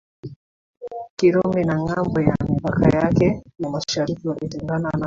Kirumi na ngambo ya mipaka yake ya mashariki walitengana na